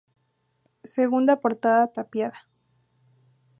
Segunda portada tapiada.